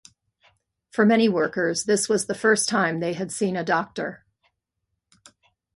For many workers, this was the first time they had seen a doctor.